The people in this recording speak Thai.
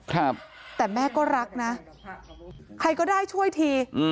แต่แม่ก็รักนะใครก็ได้ช่วยที